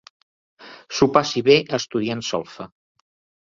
S'ho passi bé estudiant solfa.